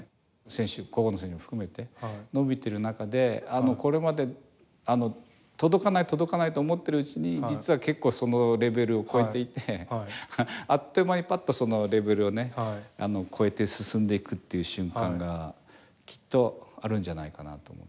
選手、個々の選手も含めて伸びている中でこれまで届かない届かないと思っているうちに実は結構そのレベルを超えていてあっという間にパッとそのレベルを超えて進んでいくっていう瞬間がきっとあるんじゃないかなと思っていて。